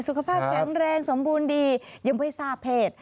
สุขภาพแข็งแรงสมบูรณ์ดียังไม่ทราบเพศ